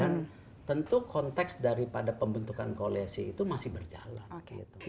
dan tentu konteks daripada pembentukan koalisi itu masih berjalan